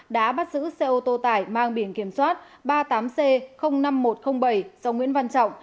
đã bắt giữ xe ô tô tải mang biển kiểm soát ba mươi tám c năm nghìn một trăm linh bảy do nguyễn văn trọng